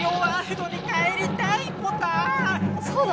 そうだ！